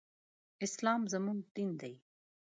اسلام زموږ دين دی.